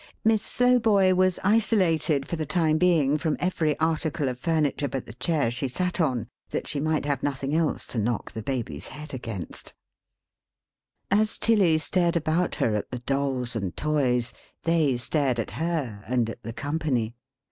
Miss Slowboy was isolated, for the time being, from every article of furniture but the chair she sat on, that she might have nothing else to knock the Baby's head against. As Tilly stared about her at the Dolls and Toys, they stared at her and at the company.